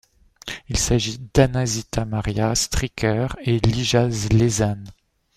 Il s'agit d'Anna Zita Maria Stricker et Lija Laizane.